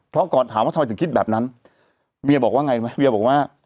เพราะก่อนถามว่าทำไมถึงคิดแบบนั้นเมียบอกว่าไงรู้ไหมเมียบอกว่า